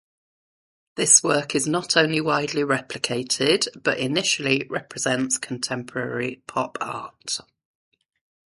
This work is not only widely replicated but initially represents contemporary pop art.